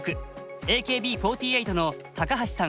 ＡＫＢ４８の橋さん